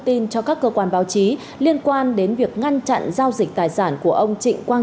tin cho các cơ quan báo chí liên quan đến việc ngăn chặn giao dịch tài sản của ông trịnh quang